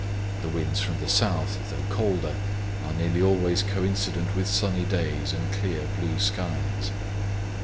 The winds from the south, though colder, are nearly always coincident with sunny days and clear blue skies."